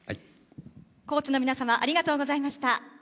コーチの皆様、ありがとうございました。